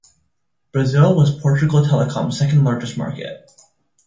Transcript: Brazil was Portugal Telecom's second-largest market.